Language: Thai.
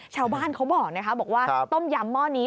ชาวบ้านเขาบอกนะคะบอกว่าต้มยำหม้อนี้